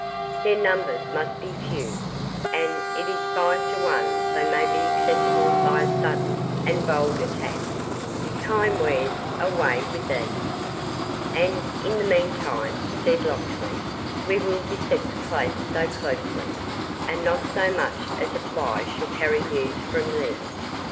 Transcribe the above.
Their numbers must be few, and it is five to one they may be accessible by a sudden and bold attack. Time wears—away with thee." "And, in the meantime," said Locksley, "we will beset the place so closely, that not so much as a fly shall carry news from thence.